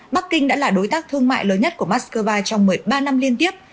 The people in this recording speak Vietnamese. bắc kinh đã là đối tác thương mại lớn nhất của moscow trong một mươi ba năm liên tiếp